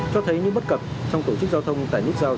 cho thấy những bất cập trong tổ chức giao thông tại nút giao